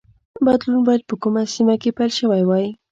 بدلون باید په کومه سیمه کې پیل شوی وای